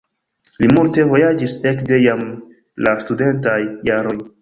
Li multe vojaĝis ekde jam la studentaj jaroj.